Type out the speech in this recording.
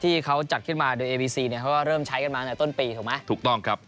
ที่เขาจัดขึ้นมาโดยเอวีซีเนี่ยเขาก็เริ่มใช้กันมาตั้งแต่ต้นปีถูกไหมถูกต้องครับ